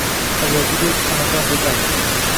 Avvalgidek “onajon” deb ayt